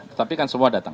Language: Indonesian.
tetapi kan semua datang